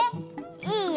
いいよ！